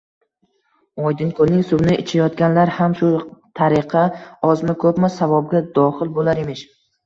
— Oydinkoʼlning suvini ichayotganlar ham shu tariqa ozmi-koʼpmi savobga doxil boʼlar emish.